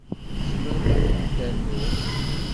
Tzemrem ad ten-ternum.